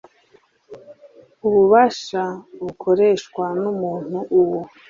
ububasha bukoreshwa n umuntu uwo